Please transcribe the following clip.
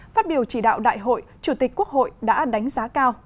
phát biểu chỉ đạo đại hội chủ tịch quốc hội đã đánh giá cao